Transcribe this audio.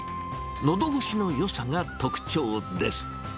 のどごしのよさが特徴です。